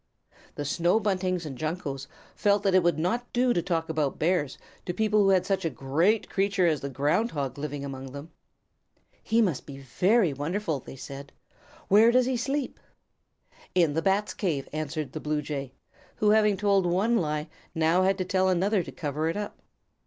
The Snow Buntings and Juncos felt that it would not do to talk about Bears to people who had such a great creature as the Ground Hog living among them. "He must be wonderful," they said. "Where does he sleep?" "In the Bats' cave," answered the Blue Jay, who having told one lie, now had to tell another to cover it up.